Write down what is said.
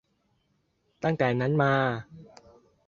ตั้งแต่นั้นมา